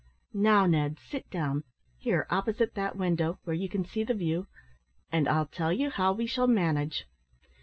"Now, Ned, sit down here, opposite that window, where you can see the view and I'll tell you how we shall manage.